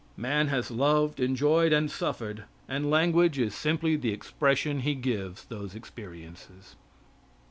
Man has loved, enjoyed and suffered, and language is simply the expression he gives those experiences.